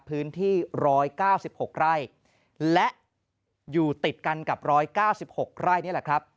พื้นที่๑๙๖ไร่และอยู่ติดกันกับ๑๙๖ไร่นี่แหละครับ